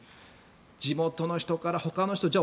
地元の人から、ほかの人じゃあ